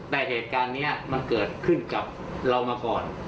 แต่เหตุการณ์นี้มันเกิดขึ้นกับเรามาก่อน